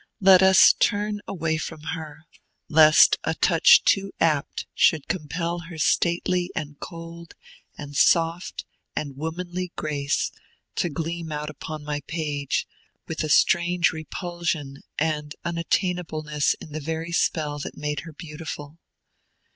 Let us turn away from her, lest a touch too apt should compel her stately and cold and soft and womanly grace to gleam out upon my page with a strange repulsion and unattainableness in the very spell that made her beautiful.